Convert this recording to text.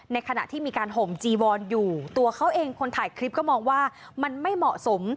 ขณะที่มีการห่มจีวอนอยู่ตัวเขาเองคนถ่ายคลิปก็มองว่ามันไม่เหมาะสม